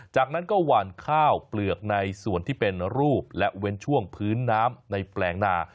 จากนั้นก็หวานข้าวเปลือกในส่วนที่เป็นรูปและเว้นช่วงพื้นน้ำในแปลงนา